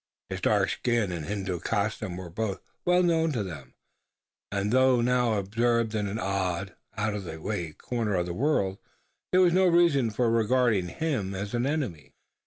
His dark skin and Hindoo costume were both well known to them; and though now observed in an odd, out of the way corner of the world, that was no reason for regarding him as an enemy.